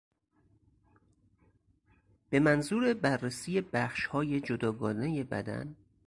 به منظور بررسی بخشهای جداگانهی بدن